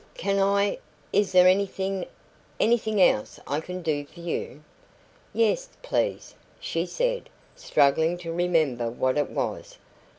"Can I is there anything anything I can do for you?" "Yes, please," she said, struggling to remember what it was.